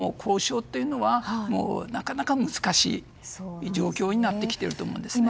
ですから、交渉というのはなかなか難しい状況になってきていると思うんですね。